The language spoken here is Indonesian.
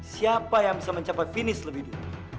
siapa yang bisa mencapai finish lebih dulu